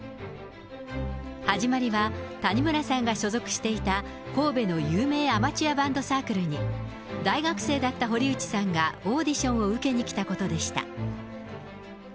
始まりは、谷村さんが所属していた神戸の有名アマチュアバンドサークルに、大学生だった堀内さんがオーディションを受けに来たことでした。